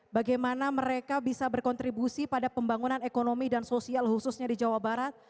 bagaimana mereka bisa berkontribusi pada pembangunan ekonomi dan sosial khususnya di jawa barat